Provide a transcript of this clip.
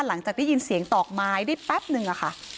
หลังจากได้ยินเสียงตอกไม้ได้แป๊บนึงอะค่ะ